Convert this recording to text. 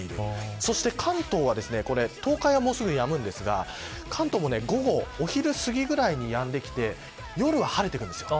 そして関東は、東海はもうすぐやむんですが関東も午後、お昼すぎぐらいにやんできて夜は晴れてくるんです。